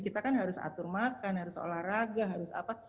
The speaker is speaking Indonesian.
kita kan harus atur makan harus olahraga harus apa